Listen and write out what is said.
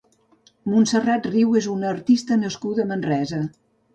Montserrat Riu és una artista nascuda a Manresa.